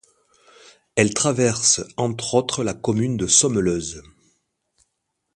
Elle traverse entre autres la commune de Somme-Leuze.